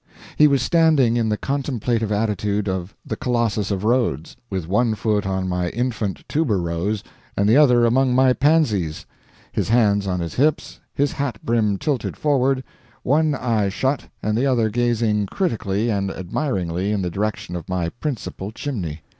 He was standing in the contemplative attitude of the Colossus of Rhodes, with one foot on my infant tuberose, and the other among my pansies, his hands on his hips, his hat brim tilted forward, one eye shut and the other gazing critically and admiringly in the direction of my principal chimney.